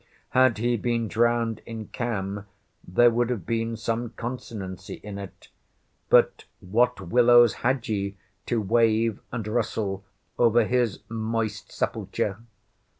Had he been drowned in Cam there would have been some consonancy in it; but what willows had ye to wave and rustle over his moist sepulture?